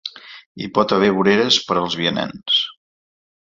Hi pot haver voreres per als vianants.